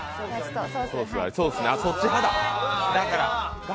そっち派か。